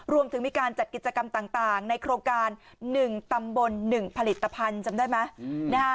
รวมถึงมีการจัดกิจกรรมต่างในโครงการ๑ตำบล๑ผลิตภัณฑ์จำได้ไหม